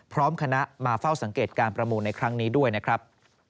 พร้อมคณะมาเฝ้าสังเกตการประมูลในครั้งนี้ด้วยนะครับ